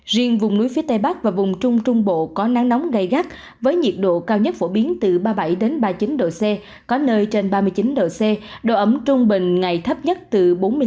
riêng vùng núi phía tây bắc và vùng trung trung bộ có nắng nóng gây gắt với nhiệt độ cao nhất phổ biến từ ba mươi bảy ba mươi chín độ c có nơi trên ba mươi chín độ c độ ẩm trung bình ngày thấp nhất từ bốn mươi năm